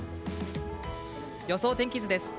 予想天気図です。